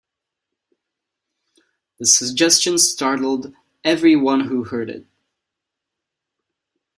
The suggestion startled every one who heard it.